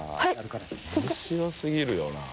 面白すぎるよな。